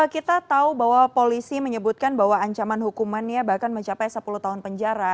kita tahu bahwa polisi menyebutkan bahwa ancaman hukumannya bahkan mencapai sepuluh tahun penjara